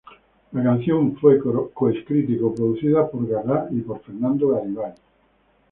La canción fue co-escrita y co-producida por Gaga y por Fernando Garibay.